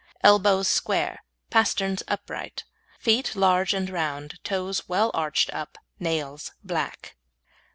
Elbows square. Pasterns upright. Feet large and round. Toes well arched up. Nails black.